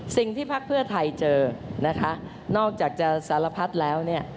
สิ่งที่พักเพื่อไทยเจอนอกจากจะสารพัดแล้ว